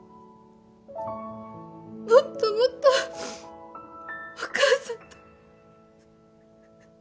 もっともっとお義母さんと。